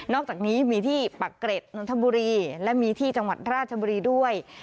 อกจากนี้มีที่ปักเกร็ดนนทบุรีและมีที่จังหวัดราชบุรีด้วย